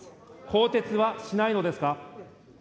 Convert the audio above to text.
更迭はしないのですか。